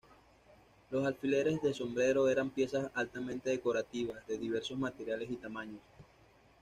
Los alfileres de sombrero eran piezas altamente decorativas, de diversos materiales y tamaños.